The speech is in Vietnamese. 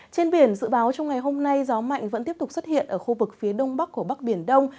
trên biển dự báo trong ngày hôm nay gió mạnh vẫn tiếp tục xuất hiện ở khu vực phía đông bắc của bắc biển đông